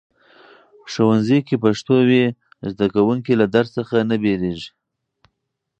ښوونځي کې پښتو وي، زده کوونکي له درس څخه نه بیریږي.